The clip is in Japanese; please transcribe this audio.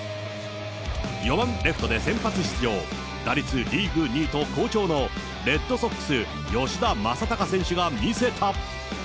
４番レフトで先発出場、打率リーグ２位と好調のレッドソックス、吉田正尚選手が見せた。